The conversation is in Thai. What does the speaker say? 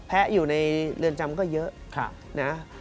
แพ้อยู่ในเรือนจำก็เยอะ